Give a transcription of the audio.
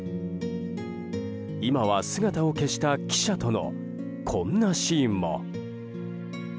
今は姿を消した汽車とのこんなシーンも。